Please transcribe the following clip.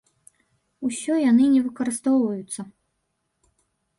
Усё яны не выкарыстоўваюцца!